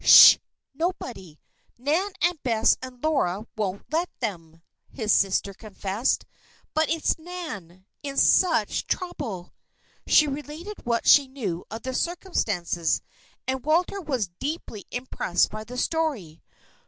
"Sh! Nobody. Nan and Bess and Laura wouldn't let them," his sister confessed. "But it's Nan in such trouble!" She related what she knew of the circumstances, and Walter was deeply impressed by the story.